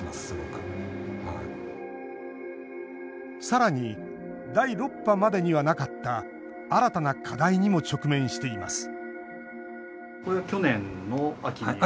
さらに第６波までにはなかった新たな課題にも直面しています